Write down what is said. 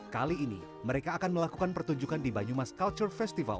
kali ini mereka akan melakukan pertunjukan di banyumas culture festival